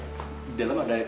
tidak ada yang bisa dikendalikan